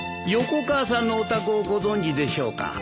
横川さんのお宅をご存じでしょうか？